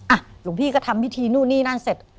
หลวงพี่ก็ทำพิธีนู่นนี่นั่นเสร็จ